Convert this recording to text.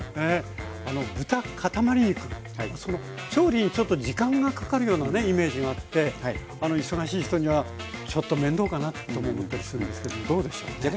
豚かたまり肉調理にちょっと時間がかかるようなイメージがあって忙しい人にはちょっと面倒かなとも思ったりするんですけどどうでしょうね。